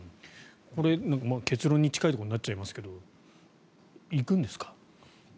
これ、結論に近いところになっちゃいますけど行くんですか？